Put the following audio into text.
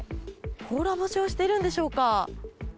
甲羅干しをしているんでしょうか。